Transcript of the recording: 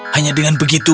hanya dengan begitu